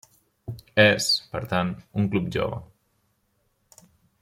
És, per tant, un club jove.